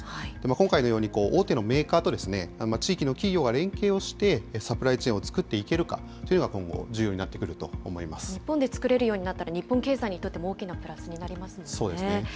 今回のように、大手のメーカーと地域の企業が連携をして、サプライチェーンを作っていけるかというのが今後、重要になってくると日本で作れるようになったら、日本経済にとっても大きなプラスになりますよね。